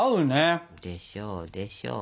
でしょうでしょう。